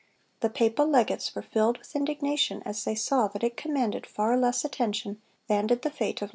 The papal legates were filled with indignation as they saw that it commanded far less attention than did the fate of Luther.